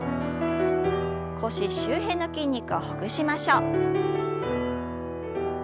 腰周辺の筋肉をほぐしましょう。